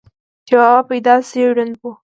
چې بابا پېدائشي ړوند وو،